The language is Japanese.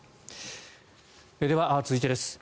では、続いてです。